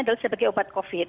adalah sebagai obat covid